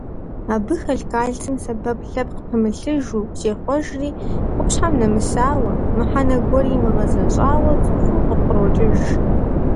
Абы хэлъ кальцийм сэбэп лъэпкъ пымылъыжу зехъуэжри, къупщхьэм нэмысауэ, мыхьэнэ гуэри имыгъэзэщӀауэ цӀыхум къыпкърокӀыж.